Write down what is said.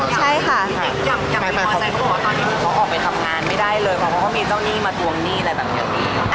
ใช่ค่ะ